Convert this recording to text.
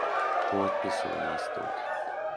Подпісы ў нас тут.